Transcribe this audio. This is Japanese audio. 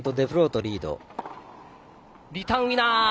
リターンウイナー。